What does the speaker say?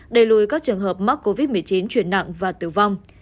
đẩy lùi các trường hợp mắc covid một mươi chín chuyển nặng và tử vong